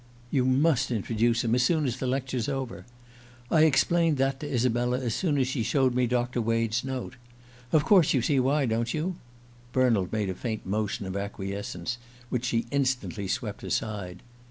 (You must introduce him as soon as the lecture's over.) I explained that to Isabella as soon as she showed me Doctor Wade's note. Of course you see why, don't you?" Bernald made a faint motion of acquiescence, which she instantly swept aside.